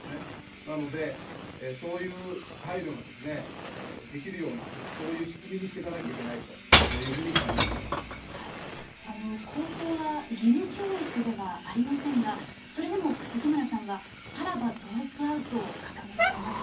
なので、そういう配慮ができるような、そういう仕組みにしていかないといけない高校は義務教育ではありませんがそれでも磯村さんは「さらば！ドロップアウト」を掲げています。